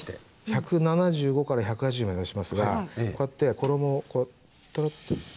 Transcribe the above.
１７５から１８０まで目指しますがこうやって衣をこうトロッと。